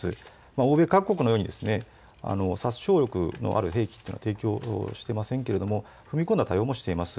欧米各国のように殺傷力のある兵器というのは提供していませんが踏み込んだ対応もしています。